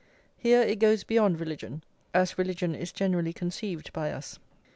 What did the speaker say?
Here it goes beyond religion, as religion is generally conceived by us.